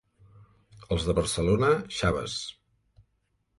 Els de Barcelona, xaves.